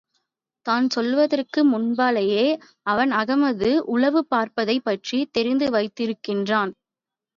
தான் சொல்லுவதற்கு முன்னாலேயே, அவன் அகமது உளவு பார்ப்பதைப் பற்றித் தெரிந்து வைத்திருக்கிறான்.